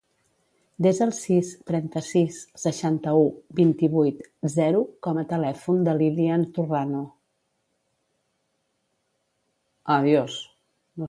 Desa el sis, trenta-sis, seixanta-u, vint-i-vuit, zero com a telèfon de l'Ilyan Torrano.